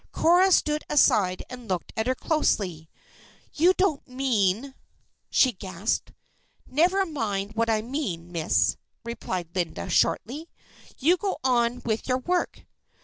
Cora stood aside and looked at her closely. "You don't mean ?" she gasped. "Never mind what I mean, Miss," replied Linda, shortly. "You go on with your work."